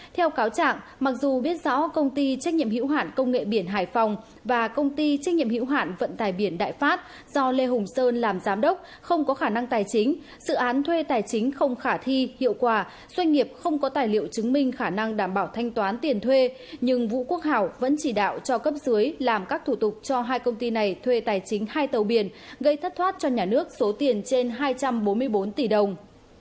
theo cáo trạng mặc dù biết rõ công ty trách nhiệm hữu hạn công nghệ biển hải phòng và công ty trách nhiệm hữu hạn vận tải biển đại pháp do lê hùng sơn làm giám đốc không có khả năng tài chính dự án thuê tài chính không khả thi hiệu quả doanh nghiệp không có tài liệu chứng minh khả năng đảm bảo thanh toán tiền thuê nhưng vũ quốc hảo vẫn chỉ đạo cho cấp dưới làm các thủ tục cho hai công ty này thuê tài chính hai tàu biển gây thất thoát cho nhà nước số tiền trên hai trăm bốn mươi bốn tỷ đồng